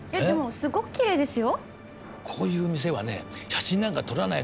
すごくきれいですよ。